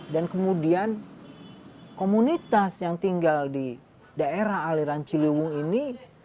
dan kemudian komunitas yang tinggal di daerah aliran ciliwung ini